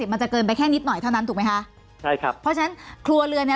๑๕๐มันจะเกินไปแค่นิดหน่อยเท่านั้นถูกเหมือนกับเพราะฉะนั้นครัวเรือนและ